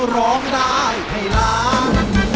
ร้องได้ให้ล้าน